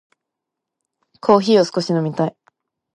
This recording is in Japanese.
コーヒーを少し飲みたい。